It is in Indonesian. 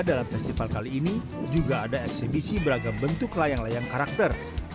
dalam festival kali ini juga ada eksebisi beragam bentuk layang layang karakter